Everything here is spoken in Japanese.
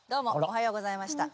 おはようございました。